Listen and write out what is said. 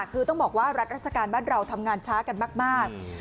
คือต้องบอกว่ารัฐราชการบ้านเราทำงานช้ากันมาก